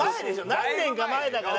何年か前だから。